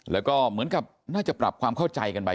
แล้วก็เหมือนกับน่าจะปรับความเข้าใจกันไป